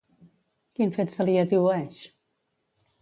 Quin fet se li atribueix?